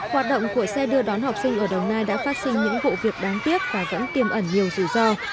hoạt động của xe đưa đón học sinh ở đồng nai đã phát sinh những vụ việc đáng tiếc và vẫn tiêm ẩn nhiều rủi ro